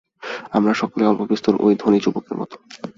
আমরা সকলেই অল্পবিস্তর ঐ ধনী যুবকের মত।